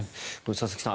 佐々木さん